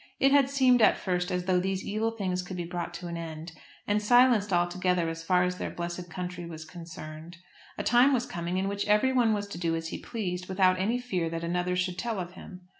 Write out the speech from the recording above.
It had seemed, at first, as though these evil things could be brought to an end, and silenced altogether as far as their blessed country was concerned. A time was coming in which everyone was to do as he pleased, without any fear that another should tell of him.